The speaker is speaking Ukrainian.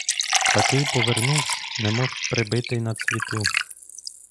Такий повернувсь, немов прибитий на цвіту.